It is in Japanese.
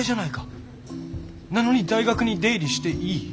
なのに大学に出入りしていい？